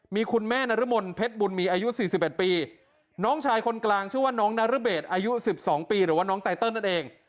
มีคุณแม่นรมนเพชรบุญมีอายุ๔๑ปีน้องชายคนกลางชื่อว่าน้องนรเบศอายุ๑๒ปีหรือว่าน้องไตเติลนั่นเอง